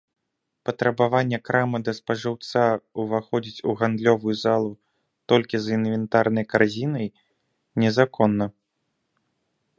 Патрабаванне крамы да спажыўца ўваходзіць у гандлёвую залу толькі з інвентарнай карзінай незаконна.